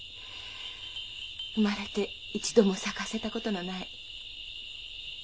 生まれて一度も咲かせた事のない。